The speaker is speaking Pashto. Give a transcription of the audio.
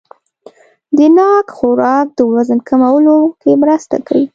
د ناک خوراک د وزن کمولو کې مرسته کوي.